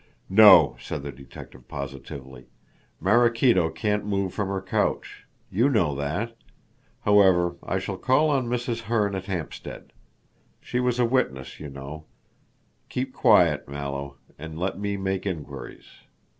"No!" said the detective positively. "Maraquito can't move from her couch. You know that. However, I shall call on Mrs. Herne at Hampstead. She was a witness, you know? Keep quiet, Mallow, and let me make inquiries.